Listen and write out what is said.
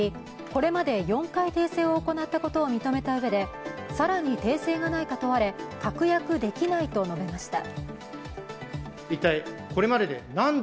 これまで４回訂正を行ったことを認めたうえで更に訂正がないか問われ、確約できないと述べました。